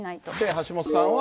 橋下さんは。